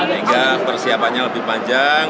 maka persiapannya lebih panjang